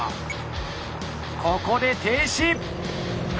ここで停止。